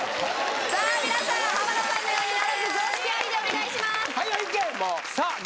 さあ皆さん浜田さんのようにならず常識ありでお願いしますはよ